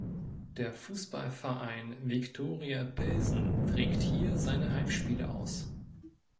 Der Fußballverein Viktoria Pilsen trägt hier seine Heimspiele aus.